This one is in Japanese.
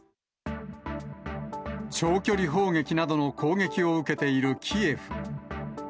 長距離砲撃などの攻撃を受けているキエフ。